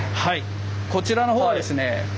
こちらの方はですね